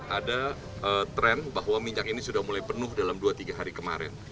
ada tren bahwa minyak ini sudah mulai penuh dalam dua tiga hari kemarin